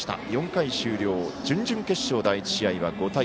４回終了、準々決勝第１試合は５対０。